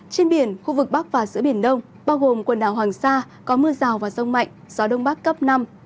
trên biển khu vực bắc và giữa biển đông bao gồm quần đảo hoàng sa có mưa rào và rông mạnh gió đông bắc cấp năm